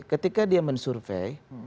ketika dia mensurvey